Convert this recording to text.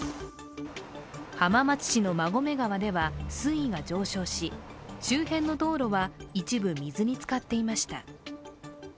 浜松市の馬込川では水位が上昇し周辺の道路は一部水につかっていました。